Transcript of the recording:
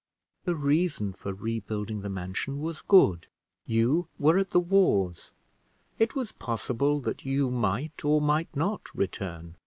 "The reason for rebuilding the mansion was good. You were at the wars; it was possible that you might, or might not return.